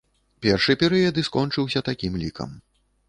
Першы перыяд і скончыўся такім лікам.